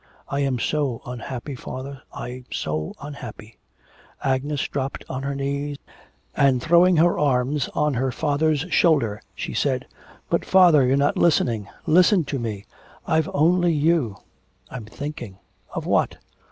I am so unhappy, father, I'm so unhappy.' Agnes dropped on her knees, and throwing her arms on her father's shoulder, she said: 'But, father, you're not listening. Listen to me, I've only you.' 'I'm thinking.' 'Of what?'